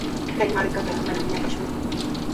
Kay markaatrawqa manami ñakashunku.